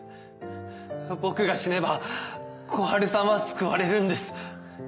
僕が死ねば小春さんは救われるんです。